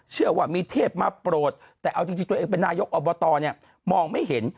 เชื่อว่ามีเทพมาโปรดแต่เอาจริงตัวเองเป็นนายกอบตเนี่ยมองไม่เห็น